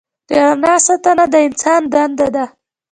د رڼا ساتنه د انسان دنده ده.